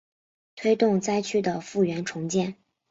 推动灾区的复原重建